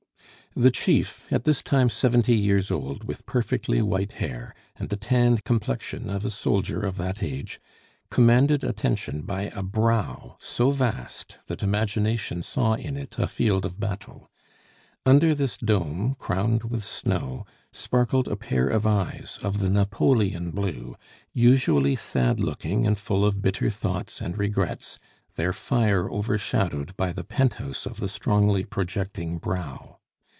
The chief, at this time seventy years old, with perfectly white hair, and the tanned complexion of a soldier of that age, commanded attention by a brow so vast that imagination saw in it a field of battle. Under this dome, crowned with snow, sparkled a pair of eyes, of the Napoleon blue, usually sad looking and full of bitter thoughts and regrets, their fire overshadowed by the penthouse of the strongly projecting brow.